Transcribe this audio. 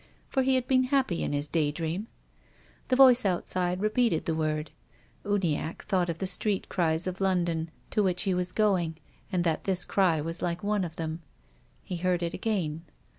For he had been happy in his day dream. The voice outside repeated the word. Uniacke thought of the street cries of London to which he was going, and that this cry was hke one of them. He heard it again.